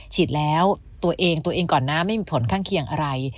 ฉีดแล้วตัวเองตัวเองก่อนนะไม่มีผลข้างเคียงอะไร